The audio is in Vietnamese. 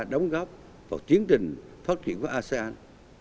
đồng góp vào chiến trình phát triển của asean